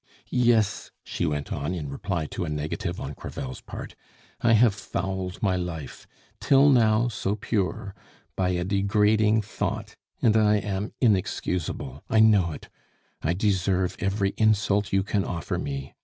"Yes," she went on, in reply to a negative on Crevel's part, "I have fouled my life, till now so pure, by a degrading thought; and I am inexcusable! I know it! I deserve every insult you can offer me!